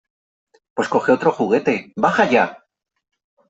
Pues coge otro juguete .¡ Baja ya !